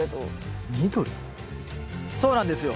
そうなんですよ